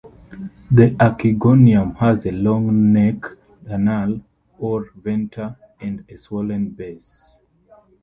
The archegonium has a long neck canal or venter and a swollen base.